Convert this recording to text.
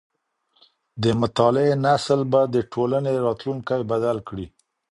د مطالعې نسل به د ټولني راتلونکی بدل کړي.